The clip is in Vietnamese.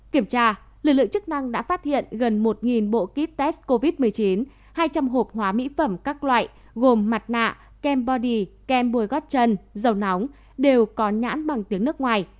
kiểm tra lực lượng chức năng đã phát hiện gần một bộ kit test covid một mươi chín hai trăm linh hộp hóa mỹ phẩm các loại gồm mặt nạ kem bò dì kem bùi gót chân dầu nóng đều có nhãn bằng tiếng nước ngoài